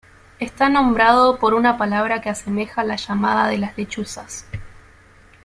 Está nombrado por una palabra que asemeja la llamada de las lechuzas.